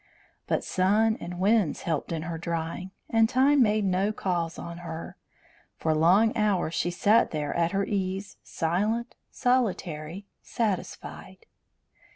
But sun and winds helped in her drying, and time made no calls on her. For long hours she sat there at her ease, silent, solitary, satisfied.